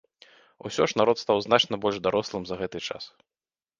Усё ж народ стаў значна больш дарослым за гэты час.